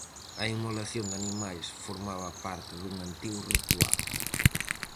A inmolación de animais formaba parte dun antigo ritual.